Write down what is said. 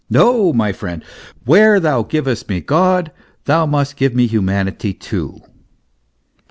No, my friend, where thou givest me God, thou must give me humanity too."